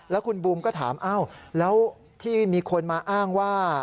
แล้วคุณบูมก็ถามแล้วที่มีคนมาอ้างว่า